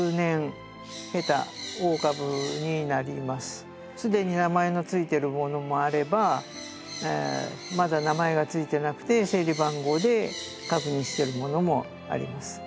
こちらのほうはすでに名前の付いてるものもあればまだ名前が付いてなくて整理番号で確認してるものもあります。